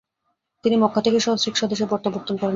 তিনি মক্কা থেকে সস্ত্রীক স্বদেশ প্রত্যাবর্তন করেন।